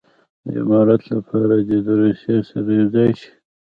د امارت لپاره دې د روسیې سره یو ځای شي.